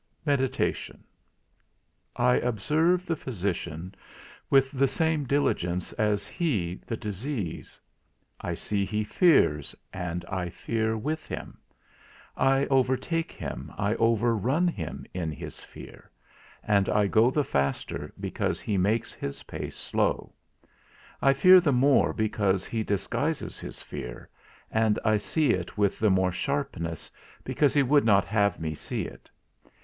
_ VI. MEDITATION. I observe the physician with the same diligence as he the disease; I see he fears, and I fear with him; I overtake him, I overrun him, in his fear, and I go the faster, because he makes his pace slow; I fear the more, because he disguises his fear, and I see it with the more sharpness, because he would not have me see it.